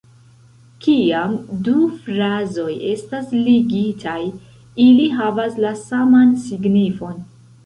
Kiam du frazoj estas ligitaj, ili havas la saman signifon.